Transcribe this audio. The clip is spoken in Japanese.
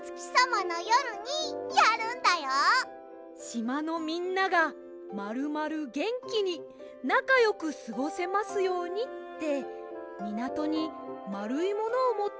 しまのみんながまるまるげんきになかよくすごせますようにってみなとにまるいものをもってきてかざるんです。